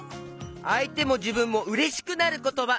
あいてもじぶんもうれしくなることば。